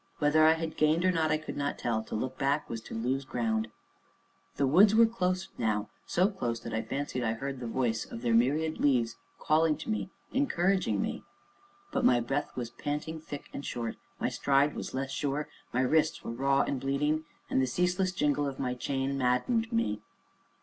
Whether I had gained or not, I could not tell; to look back was to lose ground. The woods were close now, so close that I fancied I heard the voice of their myriad leaves calling to me encouraging me. But my breath was panting thick and short, my stride was less sure, my wrists were raw and bleeding, and the ceaseless jingle of my chain maddened me.